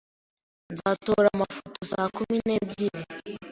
Nzatora amafoto saa kumi n'ebyiri.